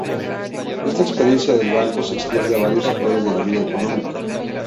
Esta experiencia del Banco se extiende a varios sectores de la vida económica.